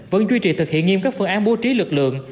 vẫn duy trì thực hiện nghiêm các phương án bố trí lực lượng